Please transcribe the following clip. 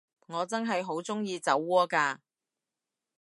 我真係好鍾意酒窩㗎